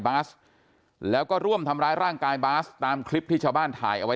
บาสแล้วก็ร่วมทำร้ายร่างกายบาสตามคลิปที่ชาวบ้านถ่ายเอาไว้